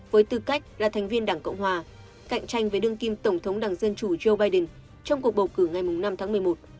với tư cách là thành viên đảng cộng hòa cạnh tranh với đương kim tổng thống đảng dân chủ joe biden trong cuộc bầu cử ngày năm tháng một mươi một